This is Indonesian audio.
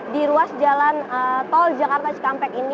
di ruas jalan tol jakarta cikampek ini